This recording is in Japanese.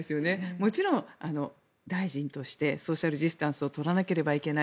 もちろん、大臣としてソーシャル・ディスタンスを取らないといけない。